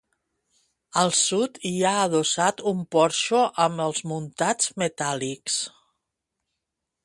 Al sud hi ha adossat un porxo amb els muntants metàl·lics.